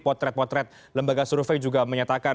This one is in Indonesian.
potret potret lembaga survei juga menyatakan